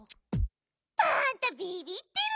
パンタビビってる！